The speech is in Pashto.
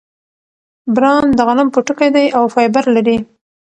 بران د غنم پوټکی دی او فایبر لري.